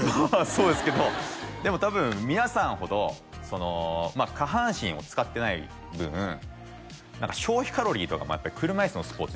そうですけどでも多分皆さんほどそのまあ下半身を使ってない分何か消費カロリーとかもやっぱり車いすのスポーツ